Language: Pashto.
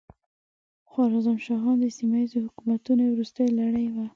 خوارزم شاهان د سیمه ییزو حکومتونو وروستۍ لړۍ وه.